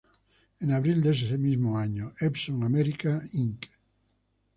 En abril de ese mismo año, Epson America Inc.